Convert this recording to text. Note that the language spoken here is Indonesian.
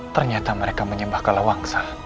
ternyata mereka menyembah kalawangsa